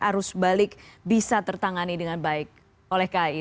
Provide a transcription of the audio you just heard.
arus balik bisa tertangani dengan baik oleh kai